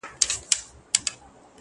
پلار له سترګو ځان پټوي,